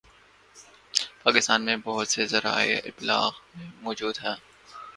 پاکستان میں بہت سے ذرائع ابلاغ موجود ہیں